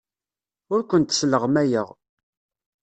Ur kent-sleɣmayeɣ.